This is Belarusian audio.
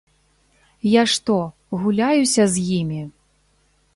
Я што, гуляюся з імі?